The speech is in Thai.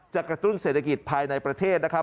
จะกระตุ้นเศรษฐกิจภายในประเทศ